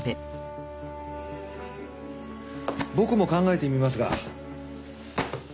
僕も考えてみますが。